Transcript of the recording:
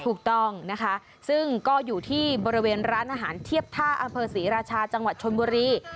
ถูกต้องนะคะซึ่งก็อยู่ที่บริเวณร้านอาหารเทียบท่าอำเภอศรีราชาจังหวัดชนบุรี